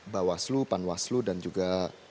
bawaslu panwaslu dan juga